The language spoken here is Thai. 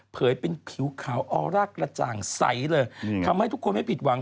เป็นผิวขาวออร่ากระจ่างใสเลยทำให้ทุกคนไม่ผิดหวัง